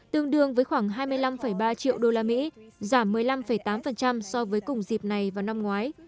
tương đương với khoảng hai mươi năm ba triệu đô la mỹ giảm một mươi năm tám so với cùng dịp này vào năm ngoái